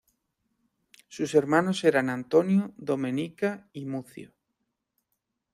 Sus hermanos eran Antonio, Domenica y Muzio.